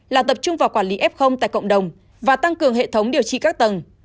là tập trung vào quản lý f tại cộng đồng và tăng cường hệ thống điều trị các tầng